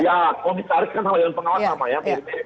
ya komisaris dan dewan pengawas sama ya